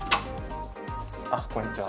あっこんにちは。